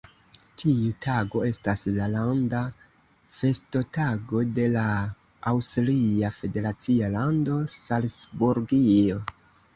Tiu tago estas la landa festotago de la aŭstria federacia lando Salcburgio.